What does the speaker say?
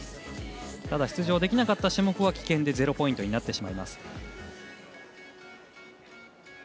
ただ、出場できなかった種目は棄権で０ポイントになってしまいます。